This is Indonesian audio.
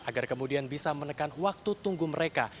agar kemudian bisa menekan waktu tunggu mereka